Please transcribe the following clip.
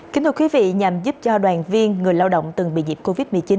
kính thưa quý vị nhằm giúp cho đoàn viên người lao động từng bị dịch covid một mươi chín